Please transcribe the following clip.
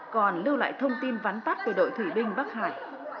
còn lưu lại thông tin vắn tắt về đội thủy binh bắc hải